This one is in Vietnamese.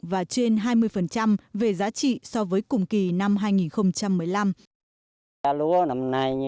và trên hai mươi về giá trị so với cùng kỳ năm hai nghìn một mươi năm